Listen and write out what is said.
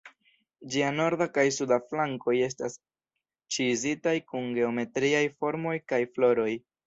Ĝia norda kaj suda flankoj estas ĉizitaj kun geometriaj formoj kaj floroj.